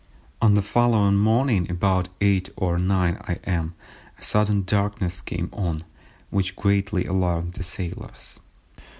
On the following morning about 8 or 9 a.m. a sudden darkness came on which greatly alarmed the sailors.